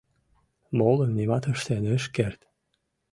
Молым нимат ыштен ыш керт.